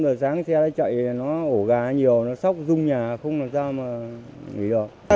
năm giờ sáng xe chạy nó ổ gà nhiều nó sóc rung nhà không làm sao mà nghỉ được